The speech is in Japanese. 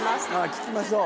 聞きましょう。